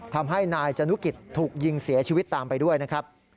ทำให้นายจนุกิจถูกยิงเสียชีวิตตามไปด้วยนะครับ